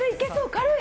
軽い。